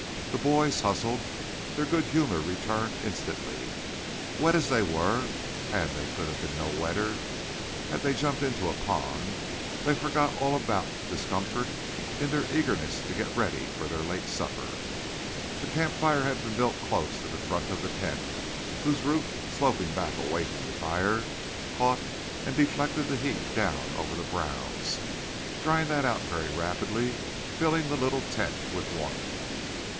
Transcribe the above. The boys hustled. Their good humor returned instantly. Wet as they were and they could have been no wetter had they jumped into a pond they forgot all about discomfort in their eagerness to get ready for their late supper. The campfire had been built close to the front of the tent, whose roof, sloping back away from the fire, caught and deflected the heat down over the browse, drying that out very rapidly, filling the little tent with warmth.